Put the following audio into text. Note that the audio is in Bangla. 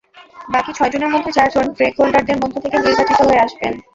বাকি ছয়জনের মধ্যে চারজন ট্রেক হোল্ডারদের মধ্য থেকে নির্বাচিত হয়ে আসবেন।